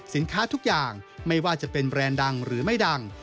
ทุกอย่างไม่ว่าจะเป็นแบรนด์ดังหรือไม่ดัง